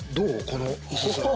この細さ。